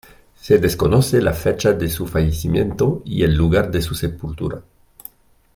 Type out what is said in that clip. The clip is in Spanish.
Se desconoce la fecha de su fallecimiento y el lugar de su sepultura.